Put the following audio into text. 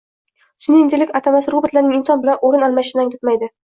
Sun’iy intellekt atamasi robotlarning inson bilan o‘rin almashishini anglatmayding